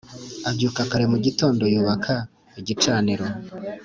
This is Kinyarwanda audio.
Abyuka kare mu gitondo yubaka igicaniro